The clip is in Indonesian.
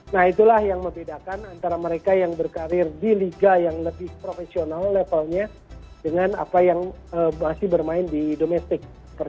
nah itulah yang membedakan antara mereka yang berkarir di liga yang lebih profesional levelnya dengan apa yang masih bermain di domestik